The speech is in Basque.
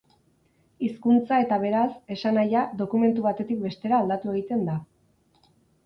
Hizkuntza eta beraz, esanahia, dokumentu batetik bestera aldatu egiten da.